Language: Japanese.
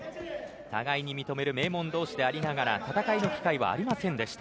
互いに認める名門どうしでありながら戦いの機会はありませんでした。